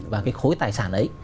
và cái khối tài sản ấy